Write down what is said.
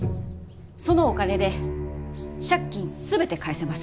そのお金で借金全て返せます。